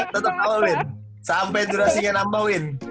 tetap di cowl win sampai durasinya nambah win